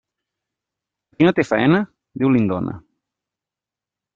A qui no té faena, Déu li'n dóna.